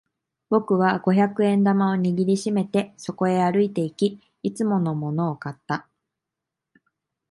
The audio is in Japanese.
僕は五百円玉を握り締めてそこへ歩いていき、いつものものを買った。